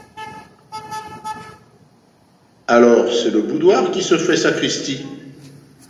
Alors c’est le boudoir qui se fait sacristie